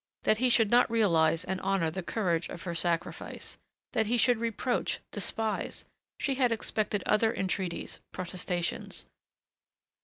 That he should not realize and honor the courage of her sacrifice.... That he should reproach, despise.... She had expected other entreaties ... protestations....